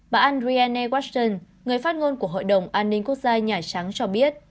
bà andrienne washington người phát ngôn của hội đồng an ninh quốc gia nhà trắng cho biết